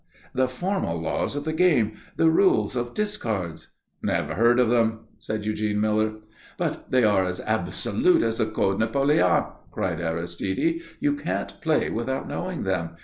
"The formal laws of the game the rules of discards " "Never heard of them," said Eugene Miller. "But they are as absolute as the Code Napoléon," cried Aristide. "You can't play without knowing them.